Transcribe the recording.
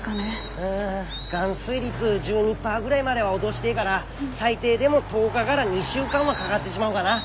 うん含水率１２％ぐらいまでは落どしてえがら最低でも１０日がら２週間はかがってしまうがなあ。